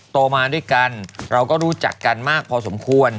โตมาด้วยกันเราก็รู้จักกันมากพอสมควร